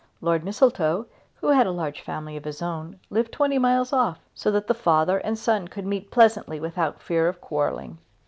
Lord Mistletoe, who had a large family of his own, lived twenty miles off, so that the father and son could meet pleasantly without fear of quarrelling.